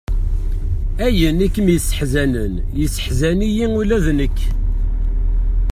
Ayen i kem-yesseḥzanen, yesseḥzan-iyi ula d nekk.